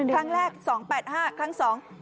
ครั้งแรก๒๘๕ครั้งสอง